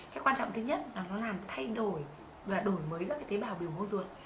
cái quan trọng thứ nhất là nó làm thay đổi và đổi mới các tế bào biểu mô dối